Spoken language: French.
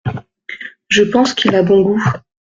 Je pense qu’il a bon goût.